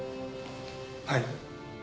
はい。